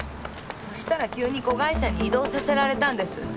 そしたら急に子会社に異動させられたんです。